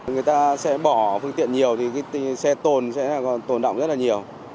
người ta sẽ bỏ phương tiện nhiều thì cái xe tồn sẽ còn tồn động rất là nhiều